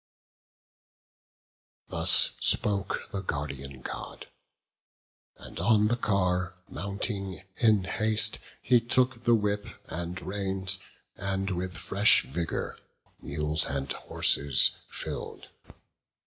Thus spoke the Guardian God, and on the car Mounting in haste, he took the whip and reins, And with fresh vigour mules and horses fill'd.